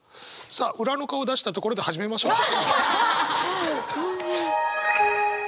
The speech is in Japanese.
さあ裏の顔出したところで始めましょう。